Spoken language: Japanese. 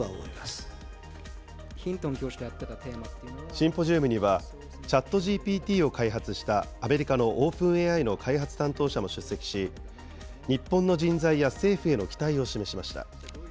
シンポジウムには、ＣｈａｔＧＰＴを開発したアメリカのオープンＡＩの開発担当者も出席し、日本の人材や、政府への期待を示しました。